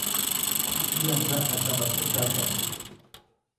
¿tiyam mdsamjatyamba teʼ ndata?